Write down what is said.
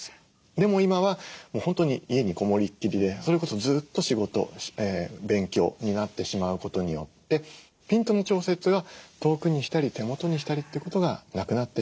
でも今は本当に家にこもりっきりでそれこそずっと仕事勉強になってしまうことによってピントの調節が遠くにしたり手元にしたりってことがなくなってしまう。